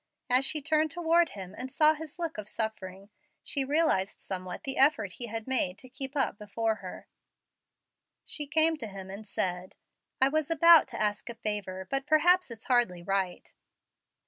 As she turned toward him and saw his look of suffering, she realized somewhat the effort he had made to keep up before her. She came to him and said, "I was about to ask a favor, but perhaps it's hardly right."